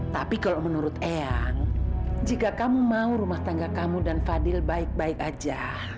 tapi kalau menurut eyang jika kamu mau rumah tangga kamu dan fadil baik baik aja